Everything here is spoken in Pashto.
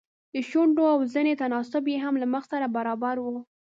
د شونډو او زنې تناسب يې هم له مخ سره برابر و.